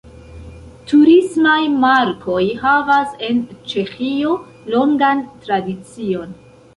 Turismaj markoj havas en Ĉeĥio longan tradicion.